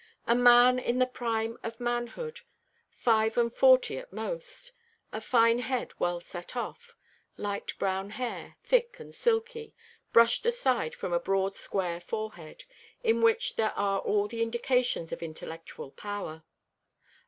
A man in the prime of manhood, five and forty at most; a fine head well set off; light brown hair, thick and silky, brushed aside from a broad square forehead, in which there are all the indications of intellectual power.